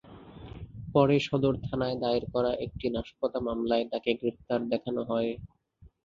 পরে সদর থানায় দায়ের করা একটি নাশকতা মামলায় তাঁকে গ্রেপ্তার দেখানো হয়।